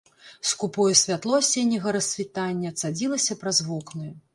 Скупое святло асенняга рассвітання цадзілася праз вокны.